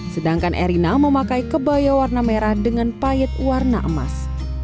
sedangkan erina memakai kebaya warna merah dengan payet warna emas